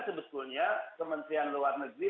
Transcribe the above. sebetulnya kementerian luar negeri